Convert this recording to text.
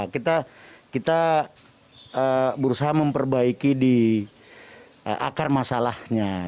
kita berusaha memperbaiki di akar masalahnya